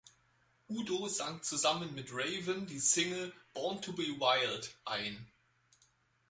Udo sang zusammen mit Raven die Single "Born to be Wild" ein.